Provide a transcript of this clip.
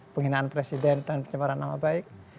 penghinaan presiden dan penyebaran nama baik